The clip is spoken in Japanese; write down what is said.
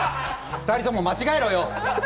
２人とも間違えろよ！